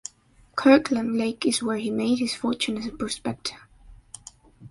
Kirkland Lake is where he made his fortune as a prospector.